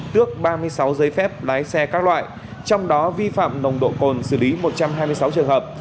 tước ba mươi sáu giấy phép lái xe các loại trong đó vi phạm nồng độ cồn xử lý một trăm hai mươi sáu trường hợp